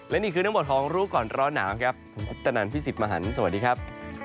และนี่คือนักบทธองรู้ก่อนร้อนหนาวครับผมคุณกุ๊บตะนันท์พี่สิบมาหันสวัสดีครับ